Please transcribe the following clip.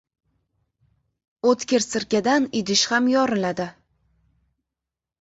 • O‘tkir sirkadan idish ham yoriladi.